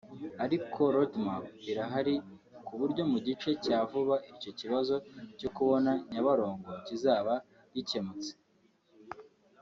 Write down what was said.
Ariko roadmap irahari ku buryo mu gihe cya vuba icyo kibazo cyo kuboma nyabarongo kizaba gikyemutse